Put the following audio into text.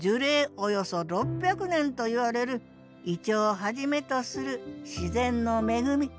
およそ６００年といわれるイチョウをはじめとする自然の恵み。